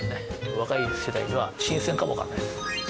若い世代は新鮮かも分からないです。